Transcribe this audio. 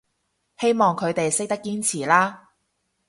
希望佢哋識得堅持啦